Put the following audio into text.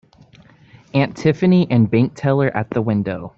Aunt Tiffany and bank teller at the window.